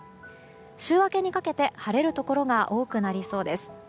週明けにかけて晴れるところが多くなりそうです。